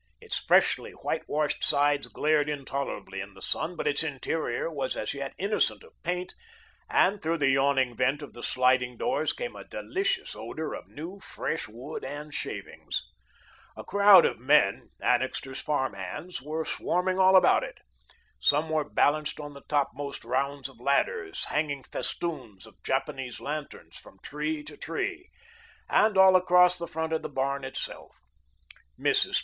Its freshly white washed sides glared intolerably in the sun, but its interior was as yet innocent of paint and through the yawning vent of the sliding doors came a delicious odour of new, fresh wood and shavings. A crowd of men Annixter's farm hands were swarming all about it. Some were balanced on the topmost rounds of ladders, hanging festoons of Japanese lanterns from tree to tree, and all across the front of the barn itself. Mrs.